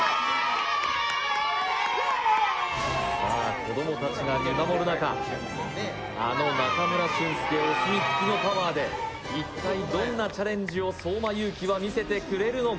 子供たちが見守る中、あの中村俊輔お墨付きのパワーで一体どんなチャレンジを相馬勇紀は見せてくれるのか。